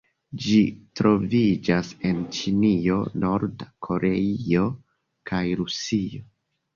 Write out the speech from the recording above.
Ĝi troviĝas en Ĉinio, Norda Koreio kaj Rusio.